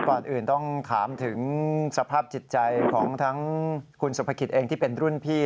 ก่อนอื่นต้องถามถึงสภาพจิตใจของทั้งคุณสุภกิจเองที่เป็นรุ่นพี่